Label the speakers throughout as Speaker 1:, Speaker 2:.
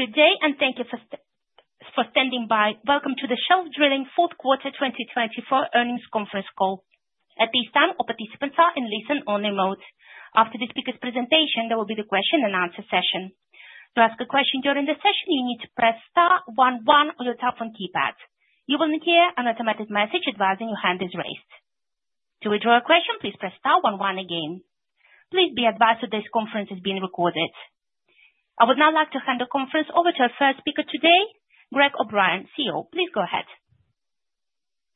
Speaker 1: Good day and thank you for standing by. Welcome to the Shelf Drilling Fourth Quarter 2024 earnings conference call. At this time, all participants are in listen-only mode. After the speaker's presentation, there will be the question-and-answer session. To ask a question during the session, you need to press star one one on your telephone keypad. You will hear an automatic message advising your hand is raised. To withdraw a question, please press star one one again. Please be advised that this conference is being recorded. I would now like to hand the conference over to our first speaker today, Greg O'Brien, CEO. Please go ahead.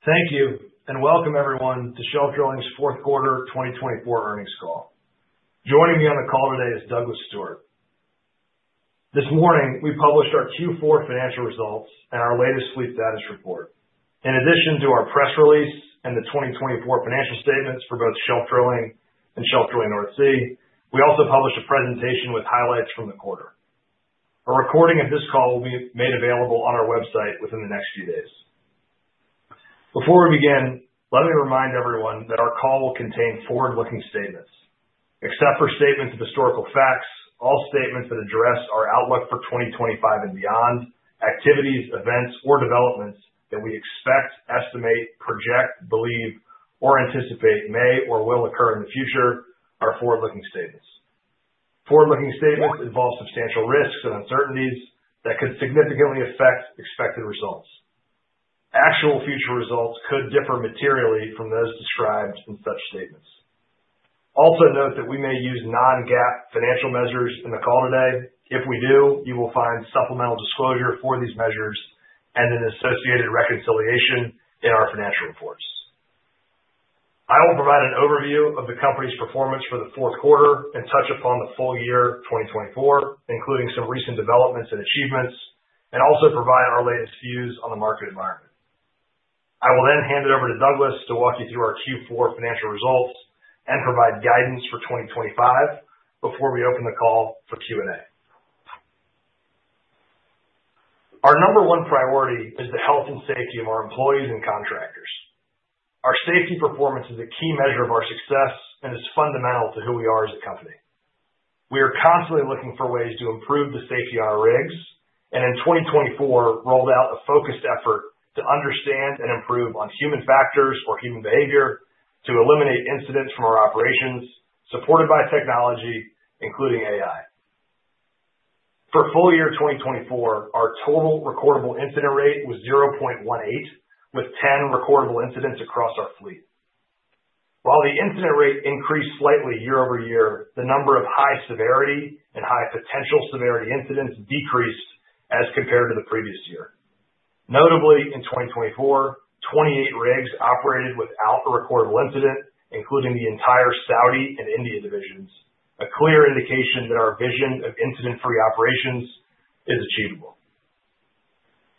Speaker 2: Thank you and welcome, everyone, to Shelf Drilling North Sea's Fourth Quarter 2024 earnings call. Joining me on the call today is Douglas Stewart. This morning, we published our Q4 financial results and our latest fleet status report. In addition to our press release and the 2024 financial statements for both Shelf Drilling and Shelf Drilling North Sea, we also published a presentation with highlights from the quarter. A recording of this call will be made available on our website within the next few days. Before we begin, let me remind everyone that our call will contain forward-looking statements. Except for statements of historical facts, all statements that address our outlook for 2025 and beyond, activities, events, or developments that we expect, estimate, project, believe, or anticipate may or will occur in the future are forward-looking statements. Forward-looking statements involve substantial risks and uncertainties that could significantly affect expected results. Actual future results could differ materially from those described in such statements. Also note that we may use non-GAAP financial measures in the call today. If we do, you will find supplemental disclosure for these measures and an associated reconciliation in our financial reports. I will provide an overview of the company's performance for the fourth quarter and touch upon the full year 2024, including some recent developments and achievements, and also provide our latest views on the market environment. I will then hand it over to Douglas to walk you through our Q4 financial results and provide guidance for 2025 before we open the call for Q&A. Our number one priority is the health and safety of our employees and contractors. Our safety performance is a key measure of our success and is fundamental to who we are as a company. We are constantly looking for ways to improve the safety on our rigs and in 2024 rolled out a focused effort to understand and improve on human factors or human behavior to eliminate incidents from our operations supported by technology, including AI. For full year 2024, our total recordable incident rate was 0.18, with 10 recordable incidents across our fleet. While the incident rate increased slightly year-over year, the number of high severity and high potential severity incidents decreased as compared to the previous year. Notably, in 2024, 28 rigs operated without a recordable incident, including the entire Saudi and India divisions, a clear indication that our vision of incident-free operations is achievable.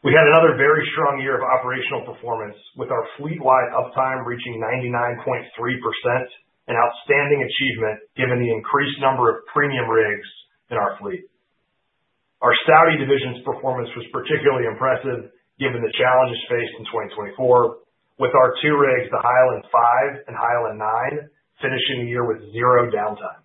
Speaker 2: We had another very strong year of operational performance, with our fleet-wide uptime reaching 99.3%, an outstanding achievement given the increased number of premium rigs in our fleet. Our Saudi division's performance was particularly impressive given the challenges faced in 2024, with our two rigs, the High Island V and High Island IX, finishing the year with zero downtime.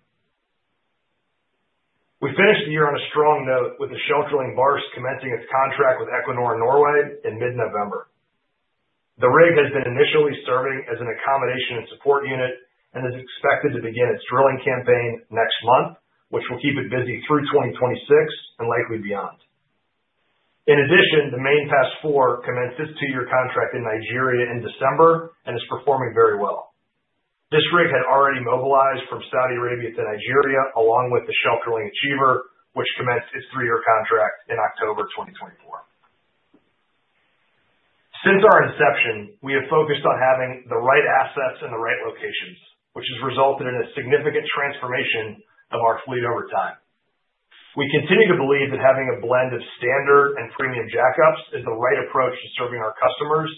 Speaker 2: We finished the year on a strong note, with the Shelf Drilling Bars commencing its contract with Equinor Norway in mid-November. The rig has been initially serving as an accommodation and support unit and is expected to begin its drilling campaign next month, which will keep it busy through 2026 and likely beyond. In addition, the Main Pass IV commenced its two-year contract in Nigeria in December and is performing very well. This rig had already mobilized from Saudi Arabia to Nigeria along with the Shelf Drilling Achiever, which commenced its three-year contract in October 2024. Since our inception, we have focused on having the right assets in the right locations, which has resulted in a significant transformation of our fleet over time. We continue to believe that having a blend of standard and premium jackups is the right approach to serving our customers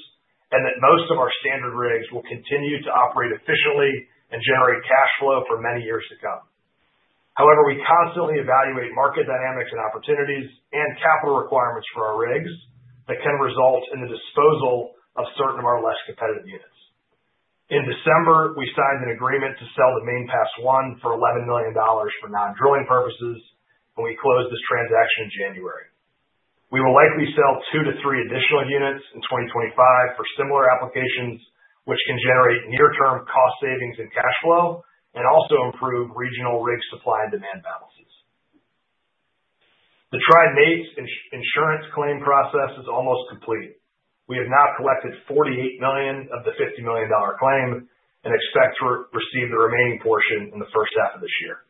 Speaker 2: and that most of our standard rigs will continue to operate efficiently and generate cash flow for many years to come. However, we constantly evaluate market dynamics and opportunities and capital requirements for our rigs that can result in the disposal of certain of our less competitive units. In December, we signed an agreement to sell the Main Pass I for $11 million for non-drilling purposes, and we closed this transaction in January. We will likely sell two to three additional units in 2025 for similar applications, which can generate near-term cost savings and cash flow and also improve regional rig supply and demand balances. The Trident VIII insurance claim process is almost complete. We have now collected $48 million of the $50 million claim and expect to receive the remaining portion in the first half of this year.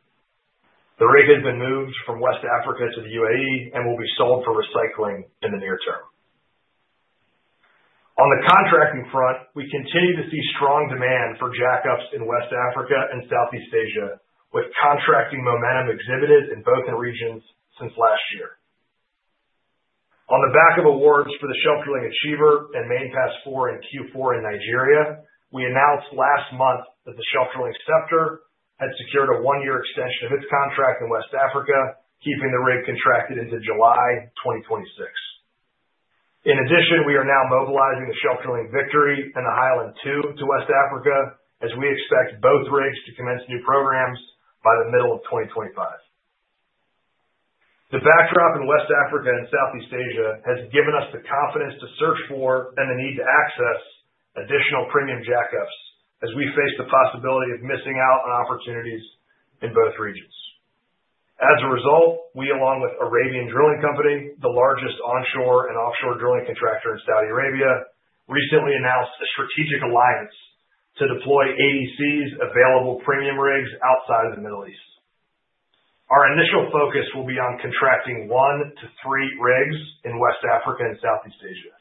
Speaker 2: The rig has been moved from West Africa to the UAE and will be sold for recycling in the near term. On the contracting front, we continue to see strong demand for jackups in West Africa and Southeast Asia, with contracting momentum exhibited in both regions since last year. On the back of awards for the Shelf Drilling Achiever and Main Pass IV in Q4 in Nigeria, we announced last month that the Shelf Drilling Scepter had secured a one-year extension of its contract in West Africa, keeping the rig contracted into July 2026. In addition, we are now mobilizing the Shelf Drilling Victory and the High Island II to West Africa, as we expect both rigs to commence new programs by the middle of 2025. The backdrop in West Africa and Southeast Asia has given us the confidence to search for and the need to access additional premium jackups as we face the possibility of missing out on opportunities in both regions. As a result, we, along with Arabian Drilling Company, the largest onshore and offshore drilling contractor in Saudi Arabia, recently announced a strategic alliance to deploy ADC's available premium rigs outside of the Middle East. Our initial focus will be on contracting one to three rigs in West Africa and Southeast Asia.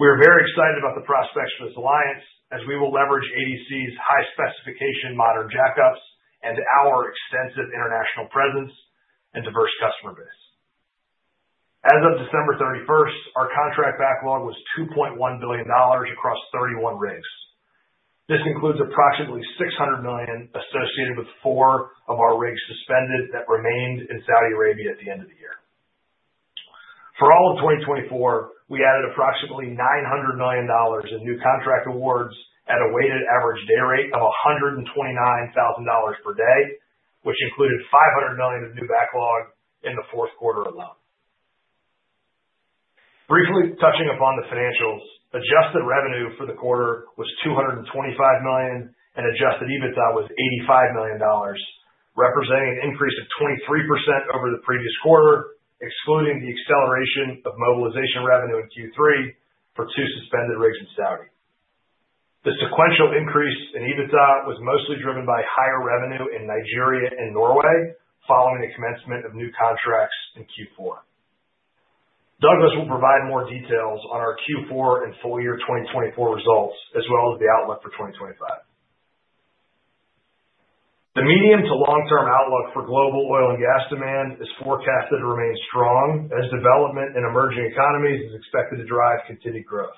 Speaker 2: We are very excited about the prospects for this alliance, as we will leverage ADC's high-specification modern jackups and our extensive international presence and diverse customer base. As of December 31, our contract backlog was $2.1 billion across 31 rigs. This includes approximately $600 million associated with four of our rigs suspended that remained in Saudi Arabia at the end of the year. For all of 2024, we added approximately $900 million in new contract awards at a weighted average day rate of $129,000 per day, which included $500 million of new backlog in the fourth quarter alone. Briefly touching upon the financials, adjusted revenue for the quarter was $225 million, and adjusted EBITDA was $85 million, representing an increase of 23% over the previous quarter, excluding the acceleration of mobilization revenue in Q3 for two suspended rigs in Saudi. The sequential increase in EBITDA was mostly driven by higher revenue in Nigeria and Norway following the commencement of new contracts in Q4. Douglas will provide more details on our Q4 and full year 2024 results, as well as the outlook for 2025. The medium to long-term outlook for global oil and gas demand is forecasted to remain strong as development in emerging economies is expected to drive continued growth.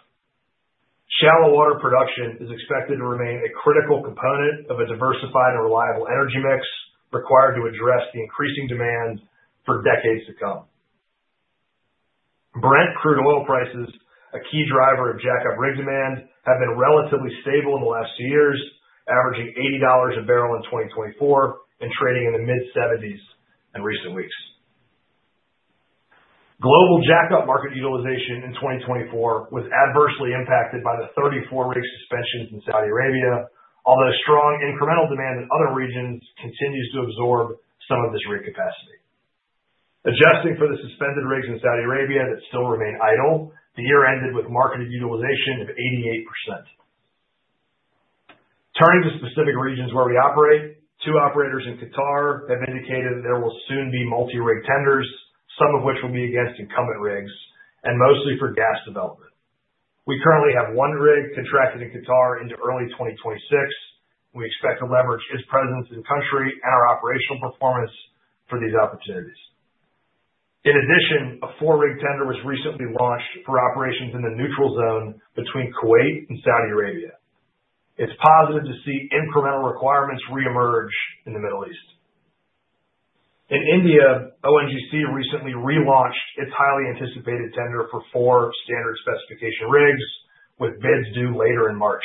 Speaker 2: Shallow water production is expected to remain a critical component of a diversified and reliable energy mix required to address the increasing demand for decades to come. Brent crude oil prices, a key driver of jack-up rig demand, have been relatively stable in the last two years, averaging $80 a barrel in 2024 and trading in the mid-70s in recent weeks. Global jack-up market utilization in 2024 was adversely impacted by the 34 rig suspensions in Saudi Arabia, although strong incremental demand in other regions continues to absorb some of this rig capacity. Adjusting for the suspended rigs in Saudi Arabia that still remain idle, the year ended with market utilization of 88%. Turning to specific regions where we operate, two operators in Qatar have indicated that there will soon be multi-rig tenders, some of which will be against incumbent rigs, and mostly for gas development. We currently have one rig contracted in Qatar into early 2026, and we expect to leverage its presence in-country and our operational performance for these opportunities. In addition, a four-rig tender was recently launched for operations in the neutral zone between Kuwait and Saudi Arabia. It's positive to see incremental requirements reemerge in the Middle East. In India, ONGC recently relaunched its highly anticipated tender for four standard specification rigs, with bids due later in March.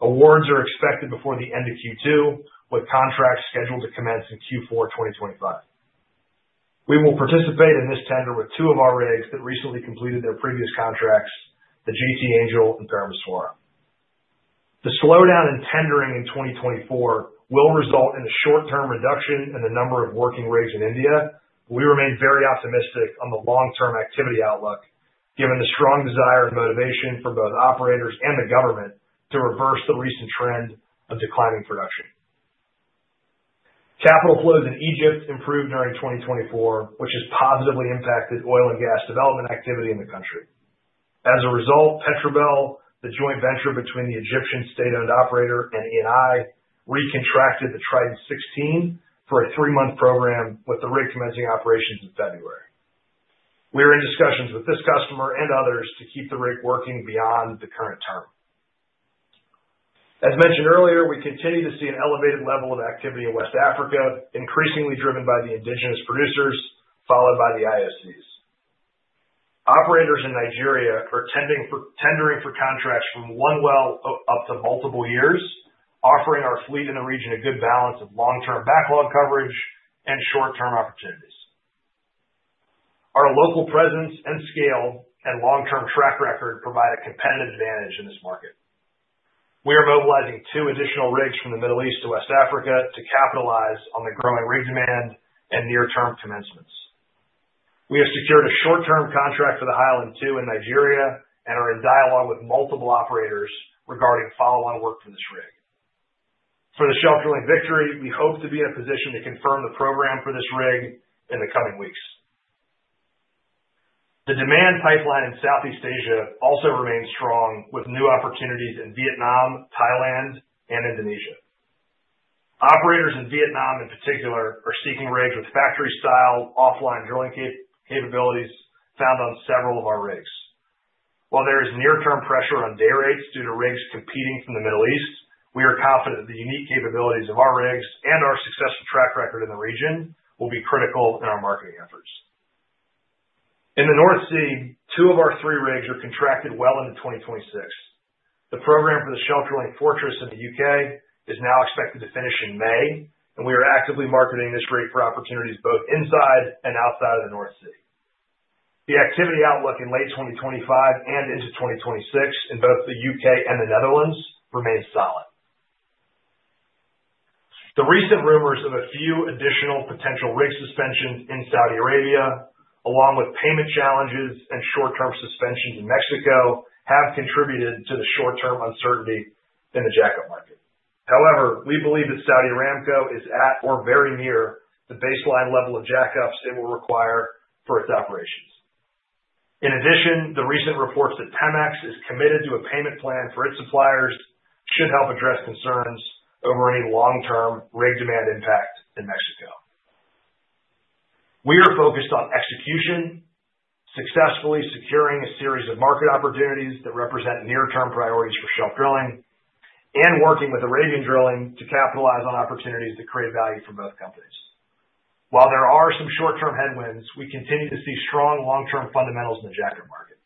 Speaker 2: Awards are expected before the end of Q2, with contracts scheduled to commence in Q4 2025. We will participate in this tender with two of our rigs that recently completed their previous contracts, the J.T. Angel and Parameswara. The slowdown in tendering in 2024 will result in a short-term reduction in the number of working rigs in India, but we remain very optimistic on the long-term activity outlook, given the strong desire and motivation for both operators and the government to reverse the recent trend of declining production. Capital flows in Egypt improved during 2024, which has positively impacted oil and gas development activity in the country. As a result, Petrobel, the joint venture between the Egyptian state-owned operator and Eni, recontracted the Trident 16 for a three-month program with the rig commencing operations in February. We are in discussions with this customer and others to keep the rig working beyond the current term. As mentioned earlier, we continue to see an elevated level of activity in West Africa, increasingly driven by the indigenous producers, followed by the IOCs. Operators in Nigeria are tendering for contracts from one well up to multiple years, offering our fleet in the region a good balance of long-term backlog coverage and short-term opportunities. Our local presence and scale and long-term track record provide a competitive advantage in this market. We are mobilizing two additional rigs from the Middle East to West Africa to capitalize on the growing rig demand and near-term commencements. We have secured a short-term contract for the High Island II in Nigeria and are in dialogue with multiple operators regarding follow-on work for this rig. For the Shelf Drilling Victory, we hope to be in a position to confirm the program for this rig in the coming weeks. The demand pipeline in Southeast Asia also remains strong, with new opportunities in Vietnam, Thailand, and Indonesia. Operators in Vietnam, in particular, are seeking rigs with factory-style offline drilling capabilities found on several of our rigs. While there is near-term pressure on day rates due to rigs competing from the Middle East, we are confident that the unique capabilities of our rigs and our successful track record in the region will be critical in our marketing efforts. In the North Sea, two of our three rigs are contracted well into 2026. The program for the Shelf Drilling Fortress in the U.K. is now expected to finish in May, and we are actively marketing this rig for opportunities both inside and outside of the North Sea. The activity outlook in late 2025 and into 2026 in both the U.K. and the Netherlands remains solid. The recent rumors of a few additional potential rig suspensions in Saudi Arabia, along with payment challenges and short-term suspensions in Mexico, have contributed to the short-term uncertainty in the jackup market. However, we believe that Saudi Aramco is at or very near the baseline level of jackups it will require for its operations. In addition, the recent reports that Pemex is committed to a payment plan for its suppliers should help address concerns over any long-term rig demand impact in Mexico. We are focused on execution, successfully securing a series of market opportunities that represent near-term priorities for Shelf Drilling, and working with Arabian Drilling to capitalize on opportunities to create value for both companies. While there are some short-term headwinds, we continue to see strong long-term fundamentals in the jack-up market.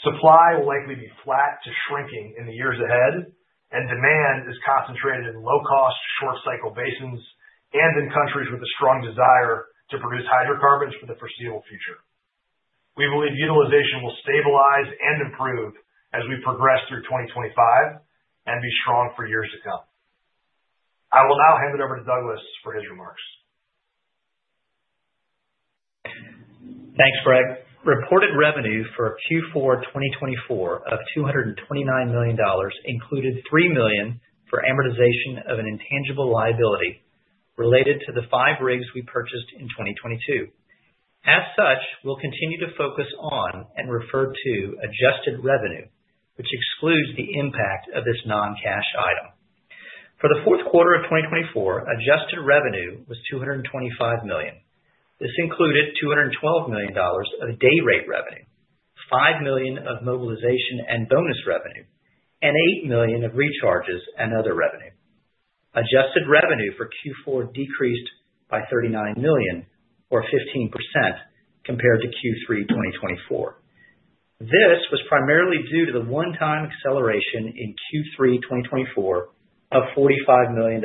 Speaker 2: Supply will likely be flat to shrinking in the years ahead, and demand is concentrated in low-cost, short-cycle basins and in countries with a strong desire to produce hydrocarbons for the foreseeable future. We believe utilization will stabilize and improve as we progress through 2025 and be strong for years to come. I will now hand it over to Douglas for his remarks.
Speaker 3: Thanks, Greg. Reported revenue for Q4 2024 of $229 million included $3 million for amortization of an intangible liability related to the five rigs we purchased in 2022. As such, we'll continue to focus on and refer to adjusted revenue, which excludes the impact of this non-cash item. For the fourth quarter of 2024, adjusted revenue was $225 million. This included $212 million of day rate revenue, $5 million of mobilization and bonus revenue, and $8 million of recharges and other revenue. Adjusted revenue for Q4 decreased by $39 million, or 15%, compared to Q3 2024. This was primarily due to the one-time acceleration in Q3 2024 of $45 million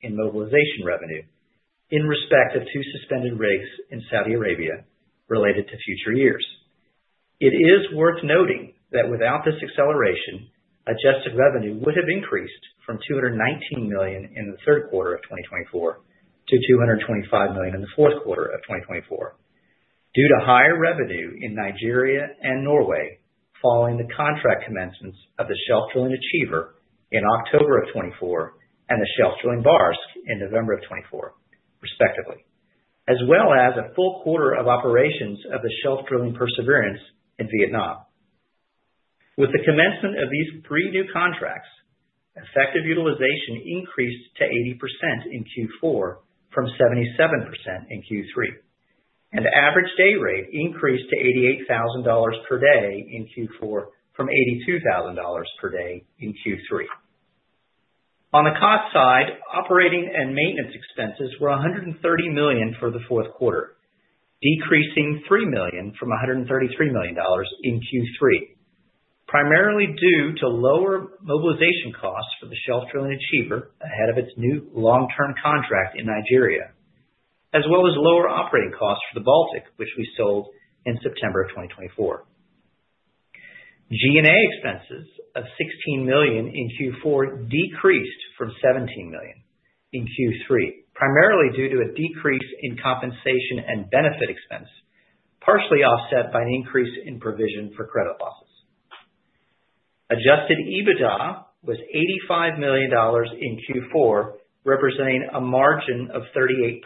Speaker 3: in mobilization revenue in respect of two suspended rigs in Saudi Arabia related to future years. It is worth noting that without this acceleration, adjusted revenue would have increased from $219 million in the third quarter of 2024 to $225 million in the fourth quarter of 2024, due to higher revenue in Nigeria and Norway following the contract commencements of the Shelf Drilling Achiever in October of 2024 and the Shelf Drilling Bars in November of 2024, respectively, as well as a full quarter of operations of the Shelf Drilling Perseverance in Vietnam. With the commencement of these three new contracts, effective utilization increased to 80% in Q4 from 77% in Q3, and average day rate increased to $88,000 per day in Q4 from $82,000 per day in Q3. On the cost side, operating and maintenance expenses were $130 million for the fourth quarter, decreasing $3 million from $133 million in Q3, primarily due to lower mobilization costs for the Shelf Drilling Achiever ahead of its new long-term contract in Nigeria, as well as lower operating costs for the Baltic, which we sold in September of 2024. G&A expenses of $16 million in Q4 decreased from $17 million in Q3, primarily due to a decrease in compensation and benefit expense, partially offset by an increase in provision for credit losses. Adjusted EBITDA was $85 million in Q4, representing a margin of 38%,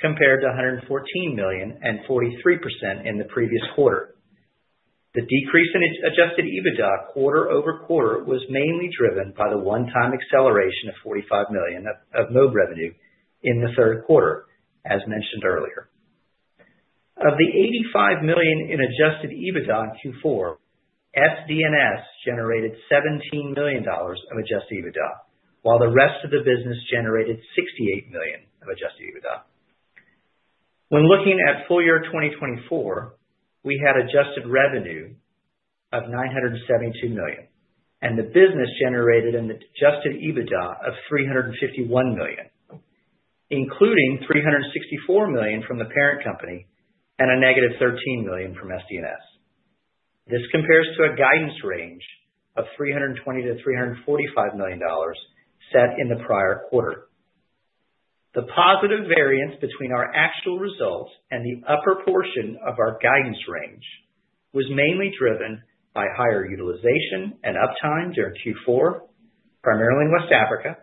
Speaker 3: compared to $114 million and 43% in the previous quarter. The decrease in adjusted EBITDA quarter over quarter was mainly driven by the one-time acceleration of $45 million of mobilization revenue in the third quarter, as mentioned earlier. Of the $85 million in adjusted EBITDA in Q4, SDNS generated $17 million of adjusted EBITDA, while the rest of the business generated $68 million of adjusted EBITDA. When looking at full year 2024, we had adjusted revenue of $972 million, and the business generated an adjusted EBITDA of $351 million, including $364 million from the parent company and a negative $13 million from SDNS. This compares to a guidance range of $320-$345 million set in the prior quarter. The positive variance between our actual results and the upper portion of our guidance range was mainly driven by higher utilization and uptime during Q4, primarily in West Africa,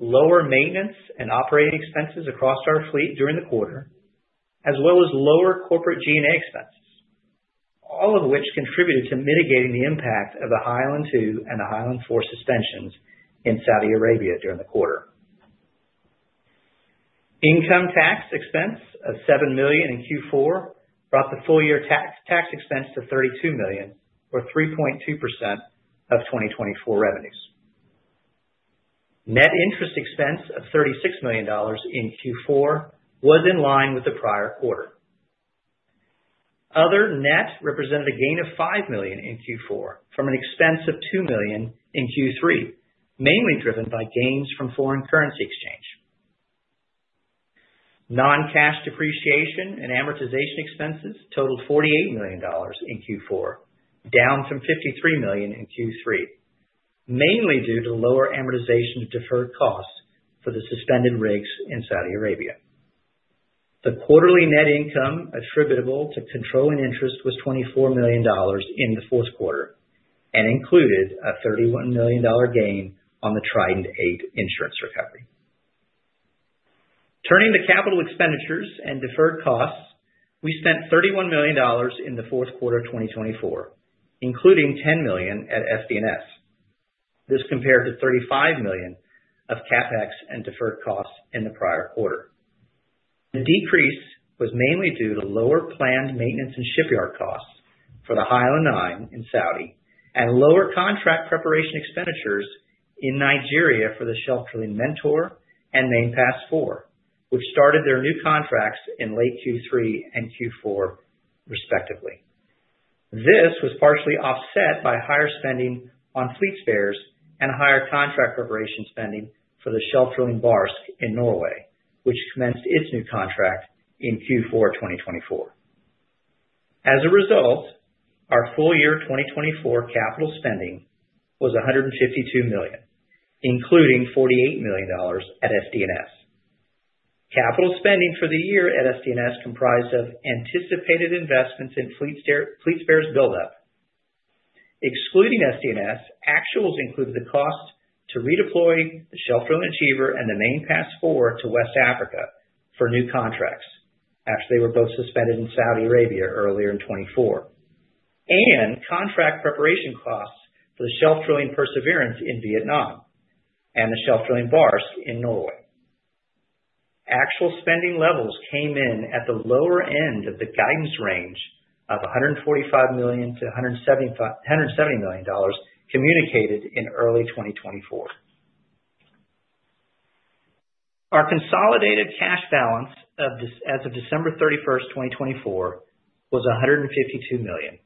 Speaker 3: lower maintenance and operating expenses across our fleet during the quarter, as well as lower corporate G&A expenses, all of which contributed to mitigating the impact of the High Island II and the High Island IV suspensions in Saudi Arabia during the quarter. Income tax expense of $7 million in Q4 brought the full year tax expense to $32 million, or 3.2% of 2024 revenues. Net interest expense of $36 million in Q4 was in line with the prior quarter. Other net represented a gain of $5 million in Q4 from an expense of $2 million in Q3, mainly driven by gains from foreign currency exchange. Non-cash depreciation and amortization expenses totaled $48 million in Q4, down from $53 million in Q3, mainly due to lower amortization of deferred costs for the suspended rigs in Saudi Arabia. The quarterly net income attributable to controlling interest was $24 million in the fourth quarter and included a $31 million gain on the Trident VIII insurance recovery. Turning to capital expenditures and deferred costs, we spent $31 million in the fourth quarter of 2024, including $10 million at SDNS. This compared to $35 million of CapEx and deferred costs in the prior quarter. The decrease was mainly due to lower planned maintenance and shipyard costs for the High Island IX in Saudi Arabia and lower contract preparation expenditures in Nigeria for the Shelf Drilling Mentor and Main Pass IV, which started their new contracts in late Q3 and Q4, respectively. This was partially offset by higher spending on fleet spares and higher contract preparation spending for the Shelf Drilling Bars in Norway, which commenced its new contract in Q4 2024. As a result, our full year 2024 capital spending was $152 million, including $48 million at SDNS. Capital spending for the year at SDNS comprised of anticipated investments in fleet spares build-up. Excluding SDNS, actuals included the cost to redeploy the Shelf Drilling Achiever and the Main Pass IV to West Africa for new contracts, after they were both suspended in Saudi Arabia earlier in 2024, and contract preparation costs for the Shelf Drilling Perseverance in Vietnam and the Shelf Drilling Bars in Norway. Actual spending levels came in at the lower end of the guidance range of $145 million-$170 million communicated in early 2024. Our consolidated cash balance as of December 31, 2024, was $152 million,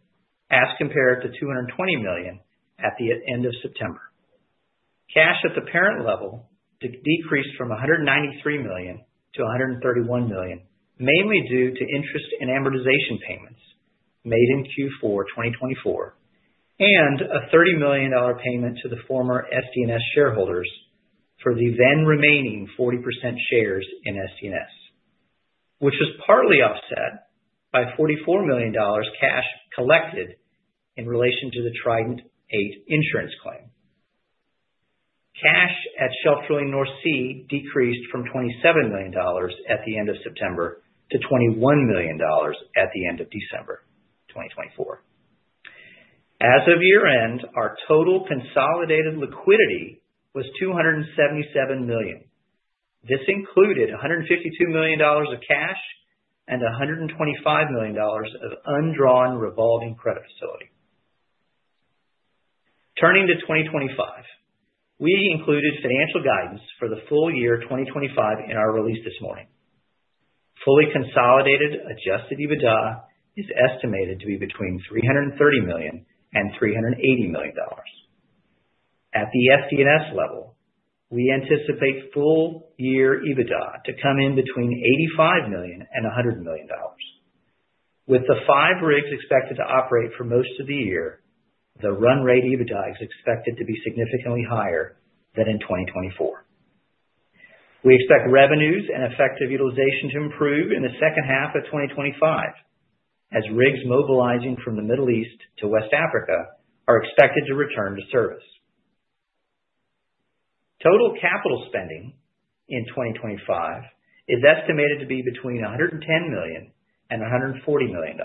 Speaker 3: as compared to $220 million at the end of September. Cash at the parent level decreased from $193 million to $131 million, mainly due to interest and amortization payments made in Q4 2024 and a $30 million payment to the former SDNS shareholders for the then remaining 40% shares in SDNS, which was partly offset by $44 million cash collected in relation to the Trident VIII insurance claim. Cash at Shelf Drilling North Sea decreased from $27 million at the end of September to $21 million at the end of December 2024. As of year-end, our total consolidated liquidity was $277 million. This included $152 million of cash and $125 million of undrawn revolving credit facility. Turning to 2025, we included financial guidance for the full year 2025 in our release this morning. Fully consolidated adjusted EBITDA is estimated to be between $330 million and $380 million. At the SDNS level, we anticipate full year EBITDA to come in between $85 million and $100 million. With the five rigs expected to operate for most of the year, the run rate EBITDA is expected to be significantly higher than in 2024. We expect revenues and effective utilization to improve in the second half of 2025, as rigs mobilizing from the Middle East to West Africa are expected to return to service. Total capital spending in 2025 is estimated to be between $110 million and $140 million.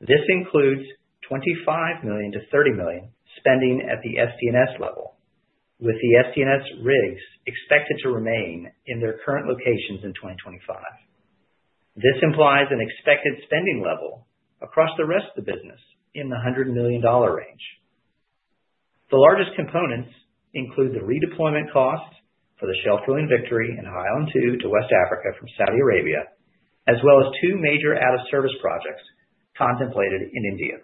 Speaker 3: This includes $25 million-$30 million spending at the SDNS level, with the SDNS rigs expected to remain in their current locations in 2025. This implies an expected spending level across the rest of the business in the $100 million range. The largest components include the redeployment costs for the Shelf Drilling Victory and High Island IV to West Africa from Saudi Arabia, as well as two major out-of-service projects contemplated in India.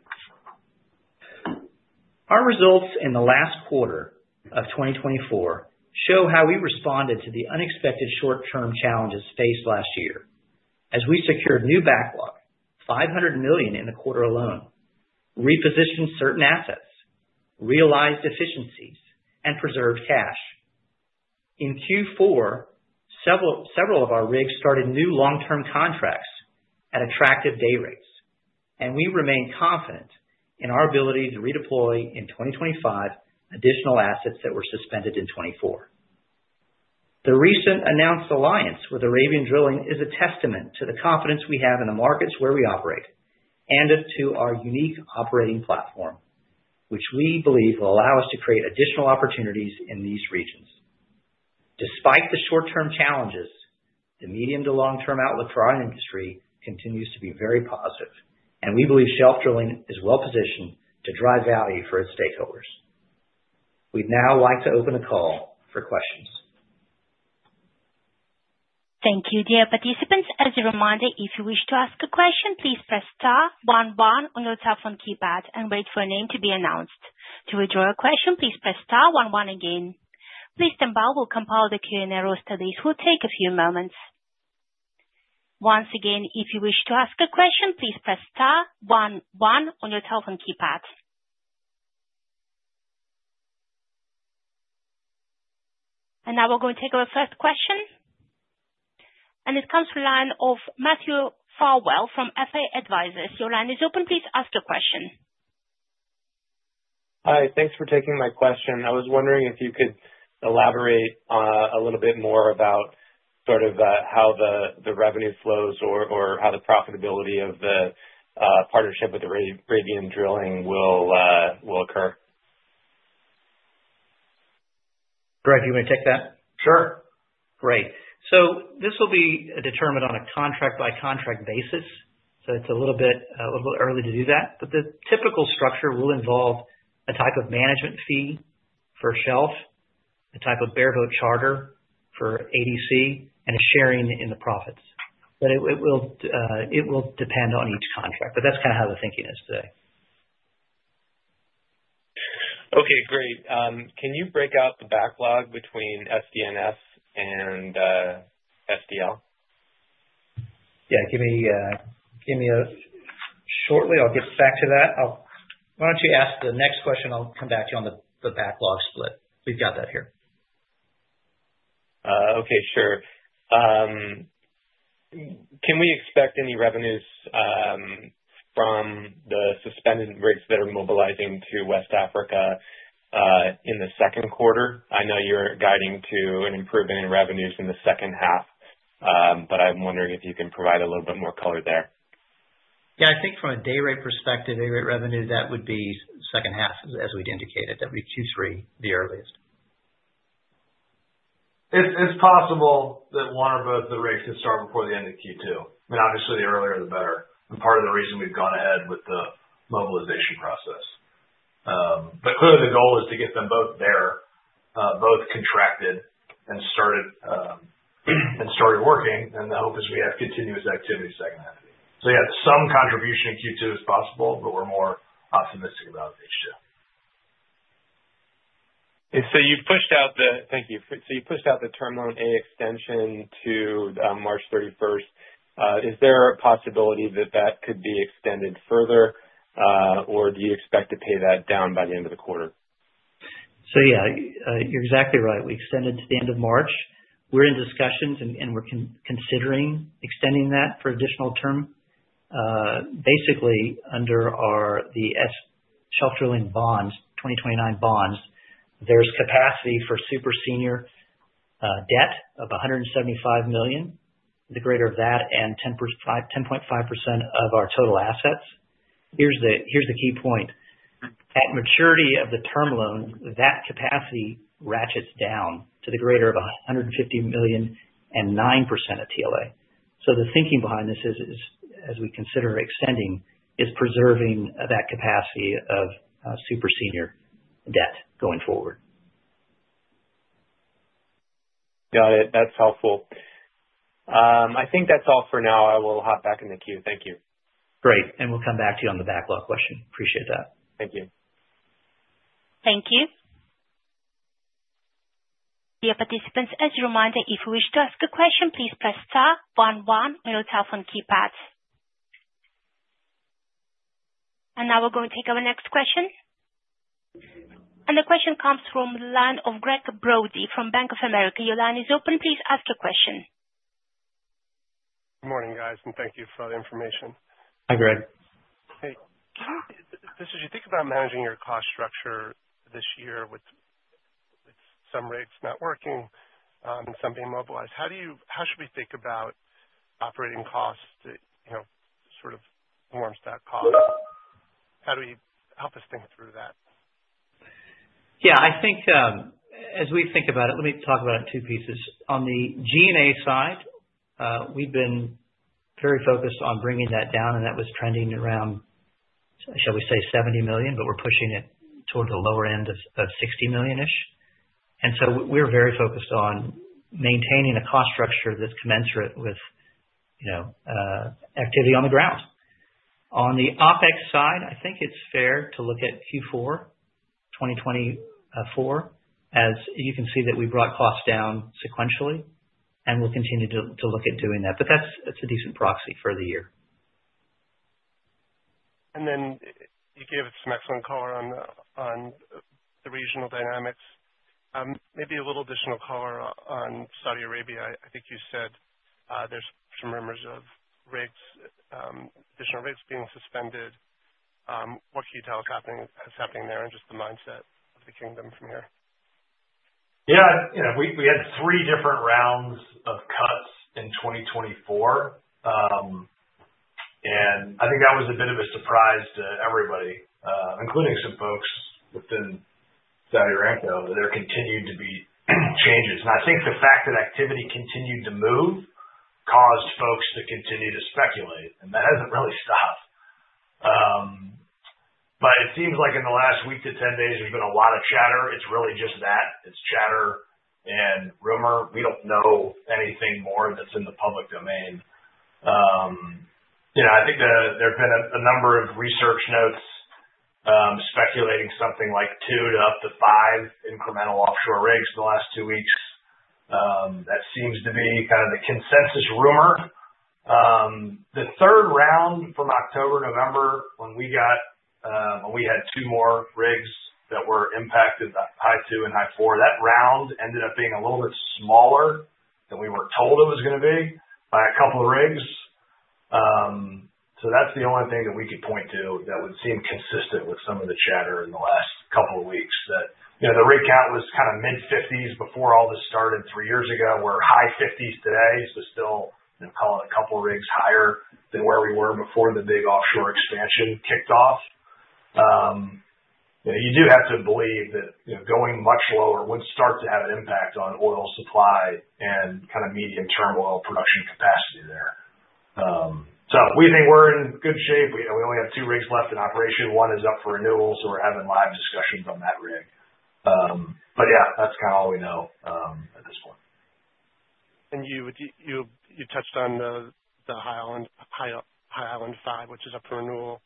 Speaker 3: Our results in the last quarter of 2024 show how we responded to the unexpected short-term challenges faced last year, as we secured new backlog, $500 million in the quarter alone, repositioned certain assets, realized deficiencies, and preserved cash. In Q4, several of our rigs started new long-term contracts at attractive day rates, and we remain confident in our ability to redeploy in 2025 additional assets that were suspended in 2024. The recent announced alliance with Arabian Drilling is a testament to the confidence we have in the markets where we operate and to our unique operating platform, which we believe will allow us to create additional opportunities in these regions. Despite the short-term challenges, the medium to long-term outlook for our industry continues to be very positive, and we believe Shelf Drilling is well-positioned to drive value for its stakeholders. We'd now like to open a call for questions.
Speaker 1: Thank you. Dear participants, as a reminder, if you wish to ask a question, please press star one one on your telephone keypad and wait for a name to be announced. To withdraw a question, please press star one one again. Please stand by. We'll compile the Q&A roster. It will take a few moments. Once again, if you wish to ask a question, please press star one one on your telephone keypad. Now we're going to take our first question. It comes from the line of Matthew Farwell from FA Advisors. Your line is open. Please ask your question.
Speaker 4: Hi. Thanks for taking my question. I was wondering if you could elaborate a little bit more about sort of how the revenue flows or how the profitability of the partnership with Arabian Drilling will occur.
Speaker 3: Greg, do you want me to take that?
Speaker 2: Sure.
Speaker 3: Great. This will be determined on a contract-by-contract basis. It is a little bit early to do that. The typical structure will involve a type of management fee for Shelf, a type of bareboat charter for ADC, and a sharing in the profits. It will depend on each contract. That is kind of how the thinking is today.
Speaker 4: Okay. Great. Can you break out the backlog between SDNS and SDL?
Speaker 3: Yeah. Give me a shortly. I'll get back to that. Why don't you ask the next question? I'll come back to you on the backlog split. We've got that here.
Speaker 4: Okay. Sure. Can we expect any revenues from the suspended rigs that are mobilizing to West Africa in the second quarter? I know you're guiding to an improvement in revenues in the second half, but I'm wondering if you can provide a little bit more color there.
Speaker 3: Yeah. I think from a day rate perspective, day rate revenue, that would be second half, as we'd indicated. That would be Q3 the earliest.
Speaker 2: It's possible that one or both of the rigs could start before the end of Q2. I mean, obviously, the earlier the better. Part of the reason we've gone ahead with the mobilization process. Clearly, the goal is to get them both there, both contracted and started working. The hope is we have continuous activity segment. Yeah, some contribution in Q2 is possible, but we're more optimistic about H2.
Speaker 4: You've pushed out the—thank you. You pushed out the Term Loan A extension to March 31. Is there a possibility that that could be extended further, or do you expect to pay that down by the end of the quarter?
Speaker 3: Yeah, you're exactly right. We extended to the end of March. We're in discussions, and we're considering extending that for additional term. Basically, under the Shelf Drilling Bonds, 2029 bonds, there's capacity for super senior debt of $175 million, the greater of that, and 10.5% of our total assets. Here's the key point. At maturity of the term loan, that capacity ratchets down to the greater of $150 million and 9% of TLA. The thinking behind this is, as we consider extending, is preserving that capacity of super senior debt going forward.
Speaker 4: Got it. That's helpful. I think that's all for now. I will hop back in the queue. Thank you.
Speaker 3: Great. We'll come back to you on the backlog question. Appreciate that.
Speaker 4: Thank you.
Speaker 1: Thank you. Dear participants, as a reminder, if you wish to ask a question, please press star one one on your telephone keypad. Now we're going to take our next question. The question comes from the line of Gregg Brody from Bank of America. Your line is open. Please ask your question.
Speaker 5: Good morning, guys, and thank you for all the information.
Speaker 2: Hi, Greg.
Speaker 5: Hey. This is you. Think about managing your cost structure this year with some rigs not working and some being mobilized. How should we think about operating costs that sort of warms that cost? How do we help us think through that?
Speaker 3: Yeah. I think as we think about it, let me talk about it in two pieces. On the G&A side, we've been very focused on bringing that down, and that was trending around, shall we say, $70 million, but we're pushing it toward the lower end of $60 million-ish. We are very focused on maintaining a cost structure that's commensurate with activity on the ground. On the OpEx side, I think it's fair to look at Q4 2024, as you can see that we brought costs down sequentially, and we'll continue to look at doing that. That's a decent proxy for the year.
Speaker 5: You gave us some excellent color on the regional dynamics. Maybe a little additional color on Saudi Arabia. I think you said there's some rumors of additional rigs being suspended. What can you tell us is happening there and just the mindset of the kingdom from here?
Speaker 2: Yeah. We had three different rounds of cuts in 2024, and I think that was a bit of a surprise to everybody, including some folks within Saudi Aramco, that there continued to be changes. I think the fact that activity continued to move caused folks to continue to speculate, and that has not really stopped. It seems like in the last week to 10 days, there has been a lot of chatter. It is really just that. It is chatter and rumor. We do not know anything more that is in the public domain. I think there have been a number of research notes speculating something like two to up to five incremental offshore rigs in the last two weeks. That seems to be kind of the consensus rumor. The third round from October, November, when we had two more rigs that were impacted, the High Island II and High Island IV, that round ended up being a little bit smaller than we were told it was going to be by a couple of rigs. That's the only thing that we could point to that would seem consistent with some of the chatter in the last couple of weeks, that the rig count was kind of mid-50s before all this started three years ago. We're high 50s today, so still a couple of rigs higher than where we were before the big offshore expansion kicked off. You do have to believe that going much lower would start to have an impact on oil supply and kind of medium-term oil production capacity there. We think we're in good shape. We only have two rigs left in operation. One is up for renewal, so we're having live discussions on that rig. Yeah, that's kind of all we know at this point.
Speaker 5: You touched on the High Island V, which is up for renewal.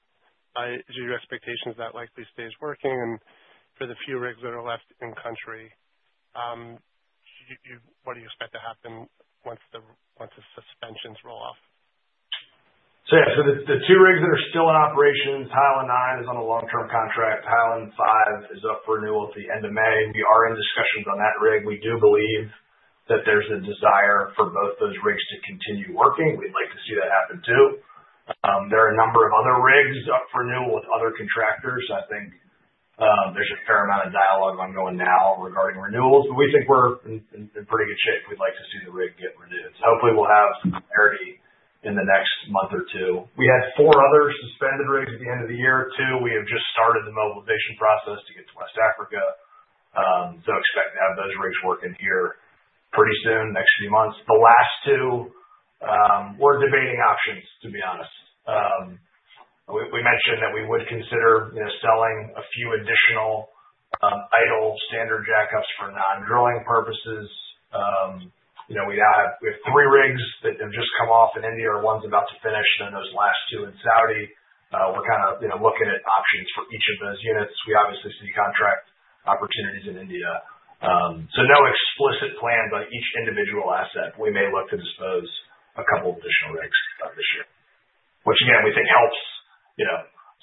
Speaker 5: Is it your expectation that that likely stays working? For the few rigs that are left in country, what do you expect to happen once the suspensions roll off?
Speaker 2: Yeah, the two rigs that are still in operations, High Island IX is on a long-term contract. High Island V is up for renewal at the end of May. We are in discussions on that rig. We do believe that there's a desire for both those rigs to continue working. We'd like to see that happen too. There are a number of other rigs up for renewal with other contractors. I think there's a fair amount of dialogue ongoing now regarding renewals. We think we're in pretty good shape. We'd like to see the rig get renewed. Hopefully, we'll have some clarity in the next month or two. We had four other suspended rigs at the end of the year too. We have just started the mobilization process to get to West Africa. Expect to have those rigs working here pretty soon, next few months. The last two, we're debating options, to be honest. We mentioned that we would consider selling a few additional idle standard jackups for non-drilling purposes. We have three rigs that have just come off in India, one's about to finish, and then those last two in Saudi. We're kind of looking at options for each of those units. We obviously see contract opportunities in India. No explicit plan, but each individual asset, we may look to dispose a couple of additional rigs this year, which, again, we think helps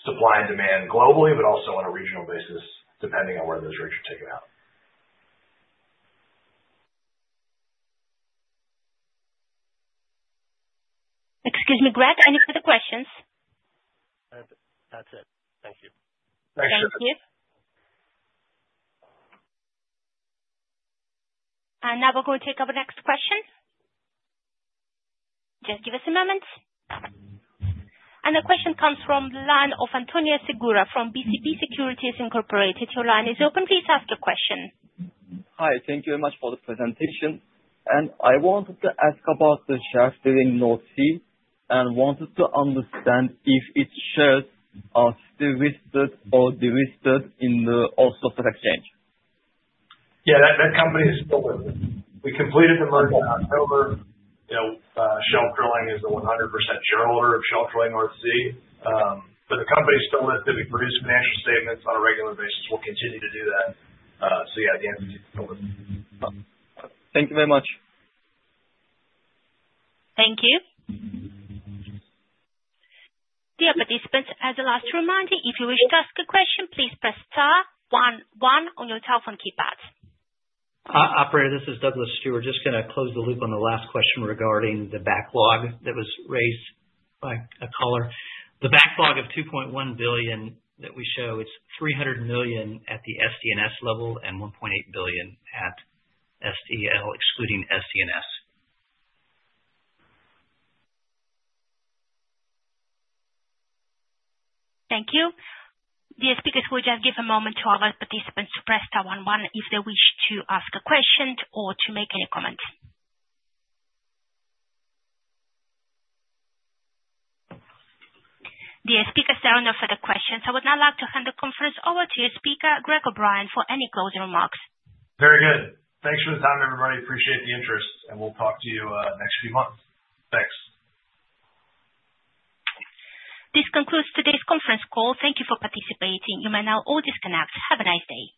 Speaker 2: supply and demand globally, but also on a regional basis, depending on where those rigs are taken out.
Speaker 1: Excuse me, Gregg. Any further questions?
Speaker 5: That's it. Thank you.
Speaker 2: Thanks.
Speaker 1: Thank you. Now we're going to take our next question. Just give us a moment. The question comes from the line of Antonio Segura from BCP Securities Incorporated. Your line is open. Please ask your question.
Speaker 6: Hi. Thank you very much for the presentation. I wanted to ask about the Shelf Drilling North Sea and wanted to understand if its shares are still listed or delisted in the Oslo Stock Exchange.
Speaker 2: Yeah. That company is still with us. We completed the merger in October. Shelf Drilling is a 100% shareholder of Shelf Drilling North Sea. The company is still with us. We produce financial statements on a regular basis. We'll continue to do that. Yeah, the entity is still with us.
Speaker 6: Thank you very much.
Speaker 1: Thank you. Dear participants, as a last reminder, if you wish to ask a question, please press star one one on your telephone keypad.
Speaker 3: Operator, this is Douglas Stewart. Just going to close the loop on the last question regarding the backlog that was raised by a caller. The backlog of $2.1 billion that we show, it's $300 million at the SDNS level and $1.8 billion at SDL, excluding SDNS.
Speaker 1: Thank you. Dear speakers, we'll just give a moment to all our participants to press star one one if they wish to ask a question or to make any comments. Dear speakers, there are no further questions. I would now like to hand the conference over to your speaker, Greg O'Brien, for any closing remarks.
Speaker 2: Very good. Thanks for the time, everybody. Appreciate the interest. We'll talk to you next few months. Thanks.
Speaker 1: This concludes today's conference call. Thank you for participating. You may now all disconnect. Have a nice day.